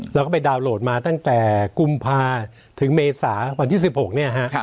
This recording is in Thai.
เราก็ไปดาวน์โหลดมาตั้งแต่กุมภาถึงเมษาวันที่๑๖เนี่ยฮะ